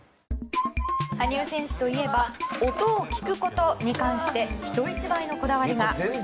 羽生選手といえば音を聴くことに関して人一倍のこだわりが。